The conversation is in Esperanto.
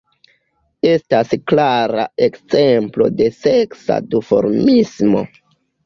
Estas klara ekzemplo de seksa duformismo.